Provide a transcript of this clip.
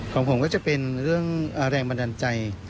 ของผมก็จะเป็นเรื่องแรงบันดาลใจ